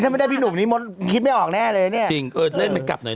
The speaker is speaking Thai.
แต่ว่าพี่ไม่มดดำนั้นต้องคำว่างยากมากเลยนะ